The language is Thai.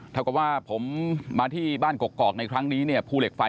เท่ากับว่าผมมาที่บ้านกกอกในครั้งนี้เนี่ยภูเหล็กไฟ